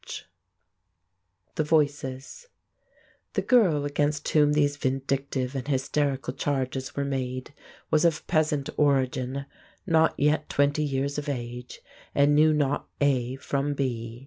[Illustration: THE DOORWAY TO THE HOUSE] THE VOICES The girl against whom these vindictive and hysterical charges were made was of peasant origin, not yet twenty years of age, and knew not A from B.